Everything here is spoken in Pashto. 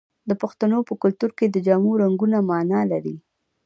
د پښتنو په کلتور کې د جامو رنګونه مانا لري.